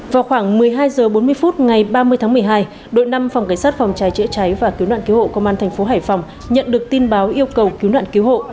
vào khoảng một mươi hai h bốn mươi phút ngày ba mươi tháng một mươi hai đội năm phòng cảnh sát phòng cháy chữa cháy và cứu nạn cứu hộ công an thành phố hải phòng nhận được tin báo yêu cầu cứu nạn cứu hộ